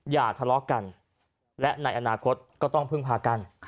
อย่าทะเลาะกันและในอนาคตก็ต้องพึ่งพากัน